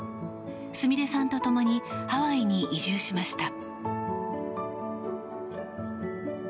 すみれさんと共にハワイに移住しました。